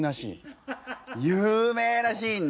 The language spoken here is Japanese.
有名なシーン。